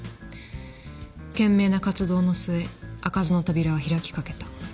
懸命な活動の末開かずの扉は開きかけた。